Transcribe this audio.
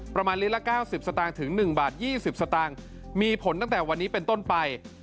ประมาณลิลละเก้าสิบสตางค์ถึงหนึ่งบาทยี่สิบสตางค์มีผลตั้งแต่วันนี้เป็นต้นไป